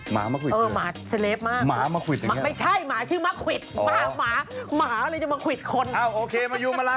หมามะขุด